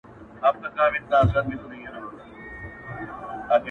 بې کاري لنگېږي، خواري ترې زېږي.